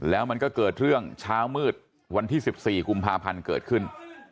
แล้วมันก็เกิดเรื่องเช้ามืดวันที่๑๔กุมภาพันธ์เกิดขึ้น